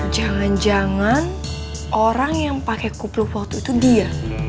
jangan jangan orang yang pake kupluk waktu itu dia